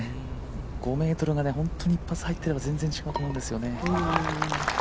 ５ｍが本当に一発入っていれば、全然違うと思うんですよね。